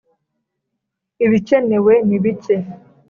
ibikenewe nibike.